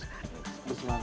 terima kasih pak togar